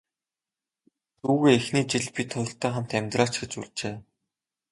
Дүүгээ эхний жил бид хоёртой хамт амьдраач гэж урьжээ.